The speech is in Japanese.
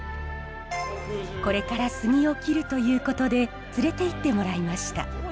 これから杉を切るということで連れていってもらいました。